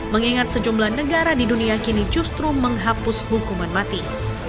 mengingat sejumlah negara di dunia kini justru menghapus hukuman mati